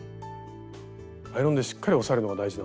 アイロンでしっかり押さえるのが大事なんですね。